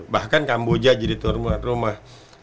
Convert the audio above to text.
bahkan kamboja jadi tuan rumah